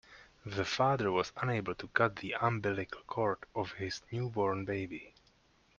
The father was unable to cut the umbilical cord of his newborn baby.